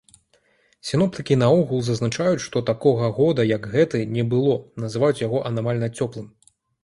Сіноптыкі наогул зазначаюць, што такога года, як гэты, не было, называюць яго анамальна цёплым.